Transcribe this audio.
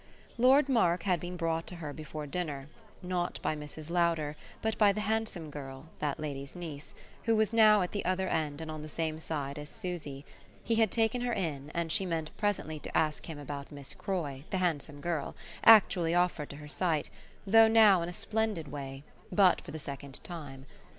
Lord Mark had been brought to her before dinner not by Mrs. Lowder, but by the handsome girl, that lady's niece, who was now at the other end and on the same side as Susie; he had taken her in, and she meant presently to ask him about Miss Croy, the handsome girl, actually offered to her sight though now in a splendid way but for the second time.